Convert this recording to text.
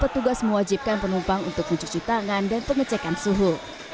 petugas mewajibkan penumpang untuk mencuci tangan dan pengecekan suhu